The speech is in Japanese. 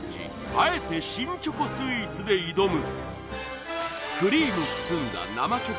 あえて新チョコスイーツで挑む